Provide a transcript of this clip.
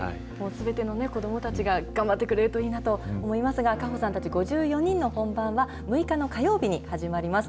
すべての子どもたちが頑張ってくれればいいなと果歩さんたち５４人の本番は６日の火曜日に始まります。